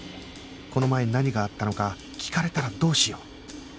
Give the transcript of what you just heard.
この前何があったのか聞かれたらどうしよう？